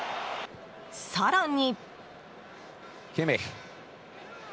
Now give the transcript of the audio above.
更に。